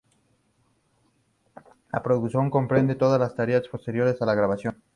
La postproducción comprende todas las tareas posteriores a la grabación.